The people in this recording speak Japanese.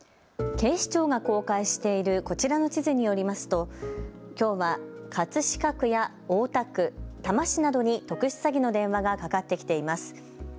警視庁が公開しているこちらの地図によりますときょうは葛飾区や大田区、多摩市などに特殊詐欺の電話がかかってきています。